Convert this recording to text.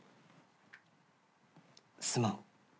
すまん。